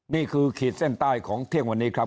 ขีดเส้นใต้ของเที่ยงวันนี้ครับ